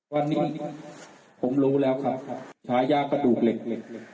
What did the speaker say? วันนี้ผมรู้แล้วครับฉายากระดูกเหล็ก